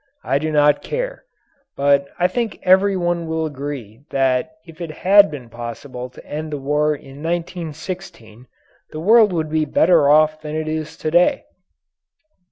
I do not care. But I think everyone will agree that if it had been possible to end the war in 1916 the world would be better off than it is to day.